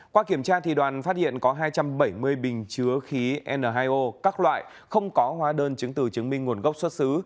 qua kiểm tra đoàn phát hiện có hai trăm bảy mươi bình chứa khí n hai o các loại không có hóa đơn chứng từ chứng minh nguồn gốc xuất xứ